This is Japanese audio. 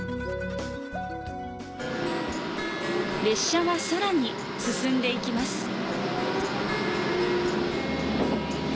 列車はさらに進んでいきます。